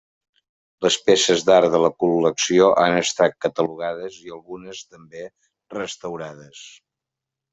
Les peces d'art de la col·lecció han estat catalogades i algunes també restaurades.